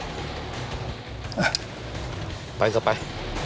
เอ้าไปก็ไป